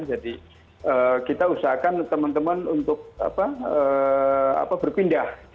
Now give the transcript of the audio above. jadi kita usahakan teman teman untuk berpindah